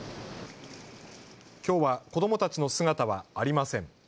きょうは子どもたちの姿はありません。